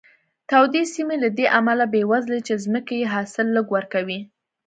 تودې سیمې له دې امله بېوزله دي چې ځمکې یې حاصل لږ ورکوي.